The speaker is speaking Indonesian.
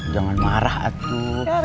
jangan marah atu